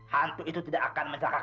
hantu itu tidak akan menjahilkan aku